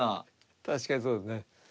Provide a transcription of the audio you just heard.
確かにそうですね。